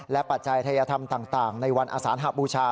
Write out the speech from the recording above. ปัจจัยทัยธรรมต่างในวันอสานหบูชา